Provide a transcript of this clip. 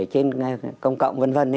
trên công cộng vân vân